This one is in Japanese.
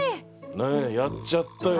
やっちゃったよ。